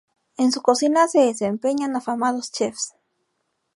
En su cocina se desempeñan afamados chefs.